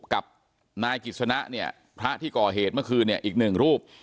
กับนายกิจสนะพระที่ก่อเหตุเมื่อคืนอีก๑รูป